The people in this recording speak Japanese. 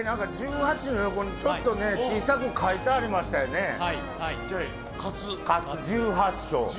１８の横にちょっと小さく書いてありましたよね、１８勝。